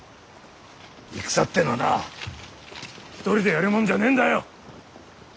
戦ってのはな一人でやるもんじゃねえんだよ！